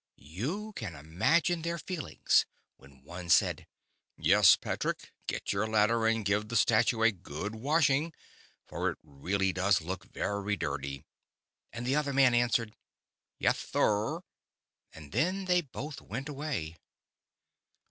You can imagine their feelings when one said :" Yes, Patrick, get your ladder, and give the Statue a good washing, for it really does look very dirty," and the other man answered :" Yis, sorr," and then they both went away.